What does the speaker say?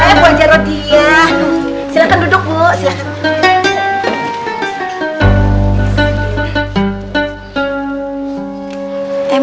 ayo bu aja roti kejahatannya feet